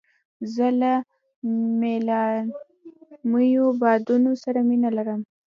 زه له ملایمو بادونو سره مینه لرم.